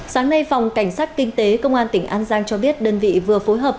sáng nay phòng cảnh sát kinh tế công an tỉnh an giang cho biết đơn vị vừa phối hợp